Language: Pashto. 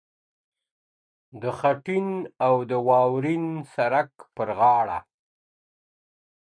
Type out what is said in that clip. د خټین او د واورین سړک پر غاړه!.